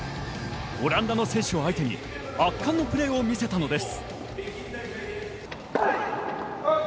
オランダの選手を相手に圧巻のプレーを見せたのです。